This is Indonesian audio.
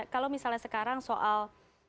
kalau misalnya sekarang soal